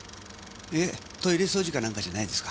いえトイレ掃除か何かじゃないですか？